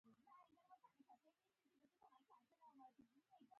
بدرنګه فکر انسان له انساني ارزښتونو لرې کوي